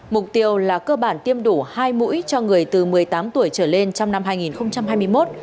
mục tiêu là cơ bản tiêm đủ hai mũi cho người từ một mươi tám tuổi trở lên trong năm hai nghìn hai mươi một